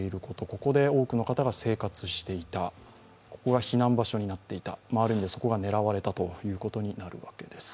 ここで多くの方が生活していた、ここが避難場所になっていたある意味そこが狙われたということになるわけです。